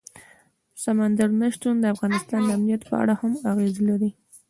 سمندر نه شتون د افغانستان د امنیت په اړه هم اغېز لري.